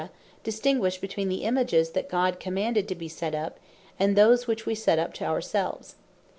distinguish between the Images that God commanded to be set up, and those which wee set up to our selves.